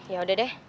ya udah deh